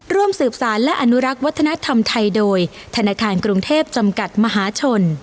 ร่วมสืบสารและอนุรักษ์วัฒนธรรมไทยโดยธนาคารกรุงเทพจำกัดมหาชน